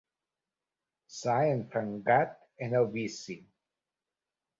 S'ha enfangat en el vici.